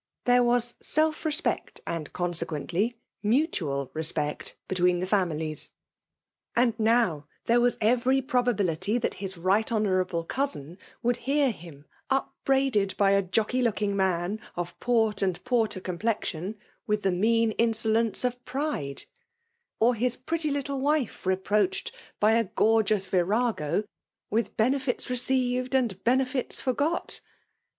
There was self rcsqpect, and consequently, mutual respect between the*' families. And now there was every probability that his Bight Honourable cousin would hear Hm' upbruded by a jockey looking man, of port and porter complexion, with the mean in^ sdence of pride ; or his pretty little wife re < proachcd, by a gorgeous virago, with benefits ' rei»ived and benefits forgot